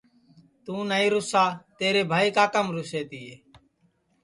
توں نائی روسا تیرے بھائی کاکام روسے تیے